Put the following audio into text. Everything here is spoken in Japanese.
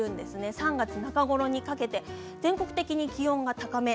３月中頃にかけて全国的に気温が高め。